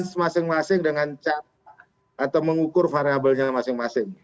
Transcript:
proses masing masing dengan cara atau mengukur variabelnya masing masing